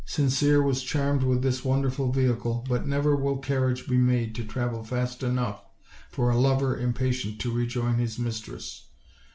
Sincere was charmed with this wonderful vehicle, but never will car riage be made to travel fast enough for a lover impatient to rejoin his mistress.